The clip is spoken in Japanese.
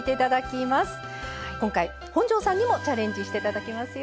今回本上さんにもチャレンジして頂きますよ。